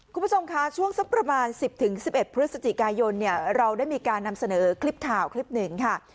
คุณผู้ชมคะช่วงสักประมาณ๑๐๑๑พฤศจิกายนเราได้มีการนำเสนอคลิปข่าวคลิปหนึ่งค่ะ